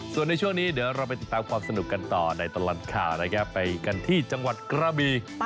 ส่วนในช่วงนี้เดี๋ยวเราไปติดตามความสนุกกันต่อในตลัดข่าวนะครับ